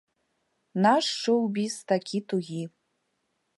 Наш шоў-біз такі тугі.